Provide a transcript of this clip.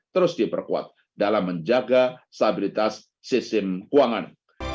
terus diperkuat dalam menjaga stabilitas sistem keuangan